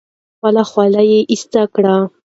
خپله خولۍ ایسته کړه.